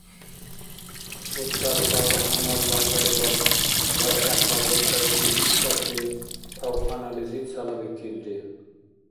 Устарха БяхӀяммадла хъалибарг бархӀехъла беркайчи биштӀаси тавханализи цалабикилри.